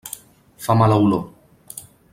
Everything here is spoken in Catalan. Fa mala olor.